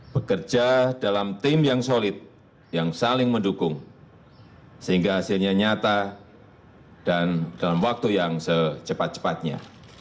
bekerja dalam tim yang solid yang saling mendukung sehingga hasilnya nyata dan dalam waktu yang secepat cepatnya